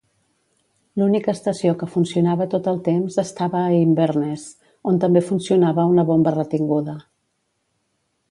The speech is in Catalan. L'única estació que funcionava tot el temps estava a Inverness, on també funcionava una bomba retinguda.